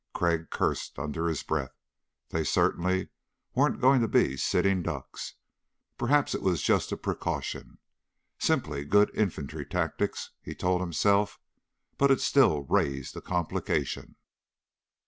Crag cursed under his breath. They certainly weren't going to be sitting ducks. Perhaps it was just a precaution. Simply good infantry tactics, he told himself, but it still raised a complication.